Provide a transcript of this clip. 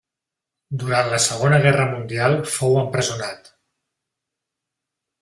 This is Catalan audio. Durant la Segona Guerra Mundial fou empresonat.